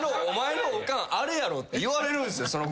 「お前のおかんあれやろ」って言われるんすよ。